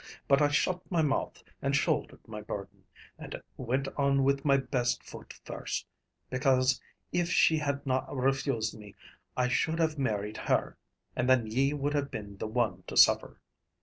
But I shut my mouth, and shouldered my burden, and went on with my best foot first; because if she had na refused me, I should have married her, and then ye would have been the one to suffer.